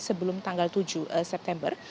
sebelum tanggal tujuh september